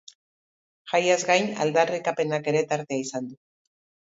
Jaiaz gain, aldarrikapenak ere tartea izan du.